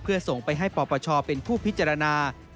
เพื่อส่งไปให้ปปชเป็นผู้พิจารณา